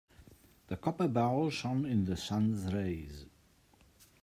The copper bowl shone in the sun's rays.